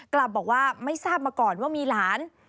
กลับบอกว่าไม่ทราบมาก่อนว่ามีหลาน